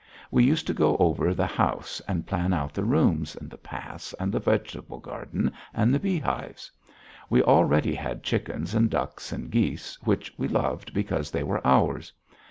We used to go over the house, and plan out the rooms, and the paths, and the vegetable garden, and the beehives. We already had chickens and ducks and geese which we loved because they were ours.